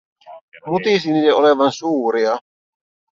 Mutisi niiden olevan suuria.